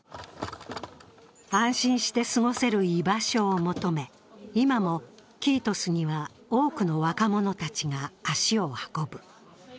安心して過ごせる居場所を求め、今もキートスには多くの若者たちが足を運ぶ。